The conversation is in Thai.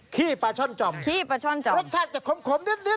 ขี้ปลาช่อนจ่อมขี้ปลาช่อนจ่อมรสชาติจะขมขมนิดนิดนิดนะครับ